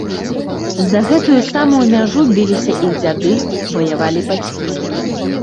За гэтую самую мяжу біліся іх дзяды, ваявалі бацькі.